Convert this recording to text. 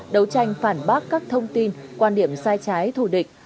đấu tranh phản bác các thông tin quan điểm sai trái thù địch